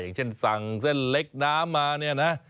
อย่างเช่นสั่งเส้นเล็กน้ำมาเนี่ยนะ